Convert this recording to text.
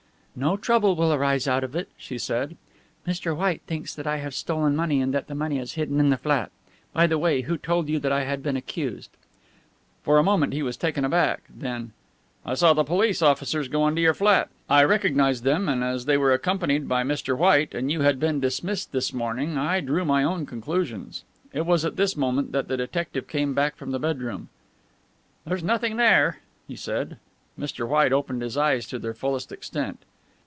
"No trouble will arise out of it," she said. "Mr. White thinks that I have stolen money and that that money is hidden in the flat by the way, who told you that I had been accused?" For a moment he was taken aback; then: "I saw the police officers go into your flat. I recognized them, and as they were accompanied by White, and you had been dismissed this morning, I drew my own conclusions." It was at this moment that the detective came back from the bedroom. "There's nothing there," he said. Mr. White opened his eyes to their fullest extent.